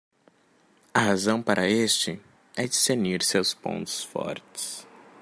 A razão para este? é discernir seus pontos fortes.